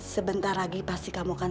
sebentar lagi pasti kamu akan